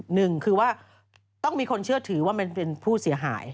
หนึ่งคือว่าต้องมีคนเชื่อถือว่าเป็นผู้เสียหาย